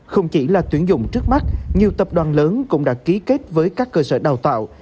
không chỉ là tuyển dụng trước mắt nhiều tập đoàn lớn cũng đã ký kết với các cơ sở đào tạo